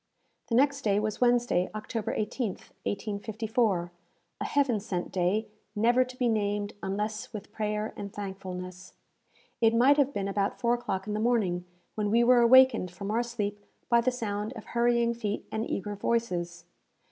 The next day was Wednesday, October 18th, 1854 a heaven sent day, never to be named unless with prayer and thankfulness! It might have been about four o'clock in the morning, when we were awakened from our sleep by the sound of hurrying feet and eager voices.